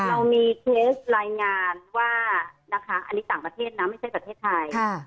เรามีเคสรายงานว่านะคะอันนี้ต่างประเทศนะไม่ใช่ประเทศไทย